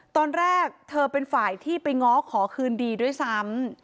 ตอนแรกเธอเป็นฝ่ายที่ไปง้อขอคืนดีด้วยซ้ำ